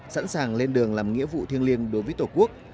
sẵn sàng lên đường làm nghĩa vụ thiêng liêng đối với tổ quốc